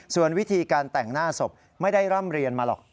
ส่วนวิธีการแต่งหน้าศพไม่ได้ร่ำเรียนมาหรอก